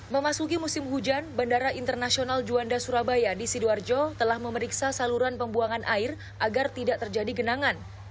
memasuki musim hujan bandara internasional juanda surabaya di sidoarjo telah memeriksa saluran pembuangan air agar tidak terjadi genangan